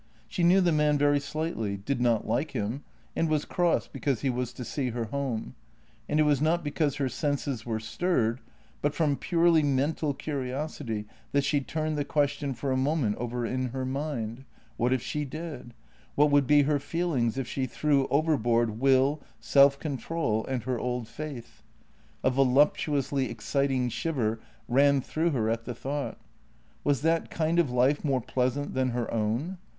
She knew the man very slightly, did not like him, and was cross because he was to see her home; and it was not because her senses were stirred, but from purely mental curiosity, that she turned the question for a moment over in her mind: what if she did? — what would be her feelings if she threw overboard will, self control, and her old faith? A voluptuously exciting shiver ran through her at the thought. Was that kind of life more pleasant than her own?